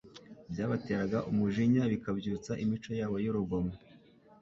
byabateraga umujinya bikabyutsa imico yabo y'urugomo.